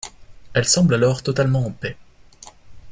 Elle semble alors totalement en paix.